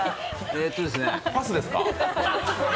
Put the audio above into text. パスですか？